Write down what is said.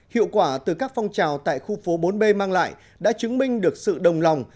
hiệu quả từ các phong trào tại khu phố bốn b mang lại đã chứng minh được sự đồng lòng